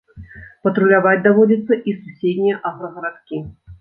Патруляваць даводзіцца і суседнія аграгарадкі.